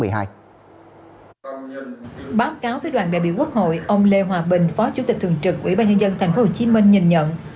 báo cáo với đoàn đại biểu quốc hội ông lê hòa bình phó chủ tịch thường trực ubnd tp hcm nhìn nhận